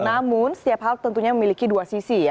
namun setiap hal tentunya memiliki dua sisi ya